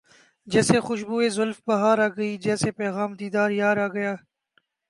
جیسے خوشبوئے زلف بہار آ گئی جیسے پیغام دیدار یار آ گیا